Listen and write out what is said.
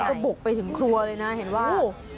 มันก็บุกไปถึงครัวเลยน่ะเห็นจริงไหม